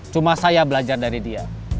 cuma saya belajar dari dia